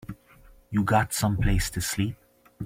You got someplace to sleep?